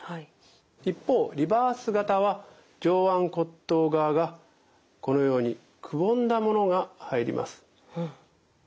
一方リバース型は上腕骨頭側がこのようにくぼんだものが入ります。